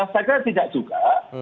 saya kira tidak juga